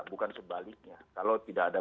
bukan sebaliknya kalau tidak ada